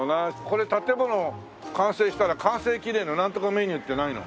これ建物完成したら完成記念のなんとかメニューってないの？